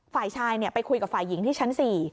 ฝ่ายชายไปคุยกับฝ่ายหญิงที่ชั้น๔